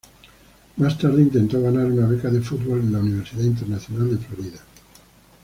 Más tarde intentó ganar una beca de fútbol en la Universidad Internacional de Florida.